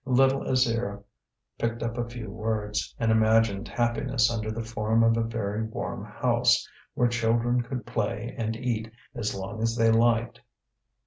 Little Alzire picked up a few words, and imagined happiness under the form of a very warm house, where children could play and eat as long as they liked.